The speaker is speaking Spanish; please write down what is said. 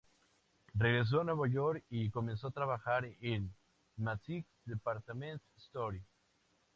Regresó a Nueva York y comenzó a trabajar en Macy's Department Store.